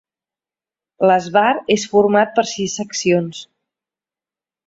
L'esbart és format per sis seccions.